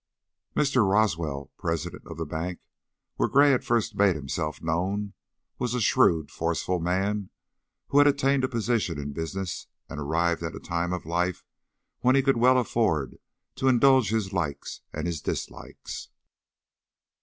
Mr. Roswell, president of the bank where Gray had first made himself known, was a shrewd, forceful man who had attained a position in business and arrived at a time of life when he could well afford to indulge his likes and his dislikes.